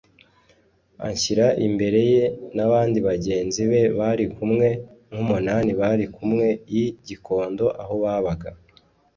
anshyira imbere ye n’abandi bagenzi be bari kumwe nk’umunani bari kumwe i Gikondo aho babaga